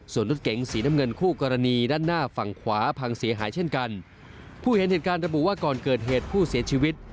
ส่วนรถเก๋งสีน้ำเงินคู่กรณีด้านหน้าฝั่งขวาพังเสียหายเช่นกันผู้เห็นเหตุการณ์ระบุว่าก่อนเกิดเหตุผู้เสียชีวิต